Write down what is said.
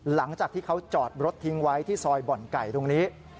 หลังจากที่เขาจอดรถทิ้งไว้ที่ซอยบ่อนไก่ตรงนี้